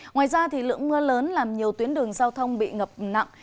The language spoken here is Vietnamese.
ngoài ra lượng mưa lớn làm nhiều tuyến đường giao thông bị ngập nặng